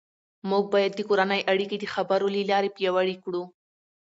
موږ باید د کورنۍ اړیکې د خبرو له لارې پیاوړې کړو